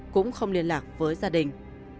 cũng không liên lạc với gia đình